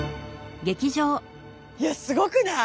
いやすごくない？